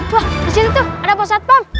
wah di sini tuh ada pusat pam